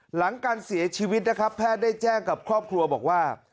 หลังการเสียชีวิตนะครับแพทย์ได้แจ้งกับครอบครัวบอกว่า